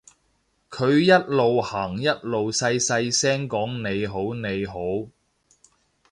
佢一路行一路細細聲講你好你好